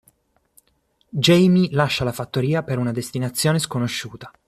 Jaime lascia la fattoria per una destinazione sconosciuta.